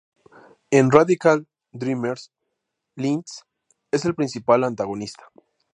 En "Radical Dreamers", Lynx es el principal antagonista.